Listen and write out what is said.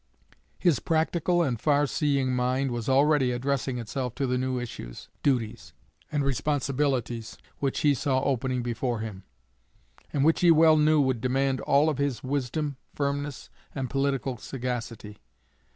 His practical and far seeing mind was already addressing itself to the new issues, duties, and responsibilities, which he saw opening before him, and which he well knew would demand all of his wisdom, firmness, and political sagacity.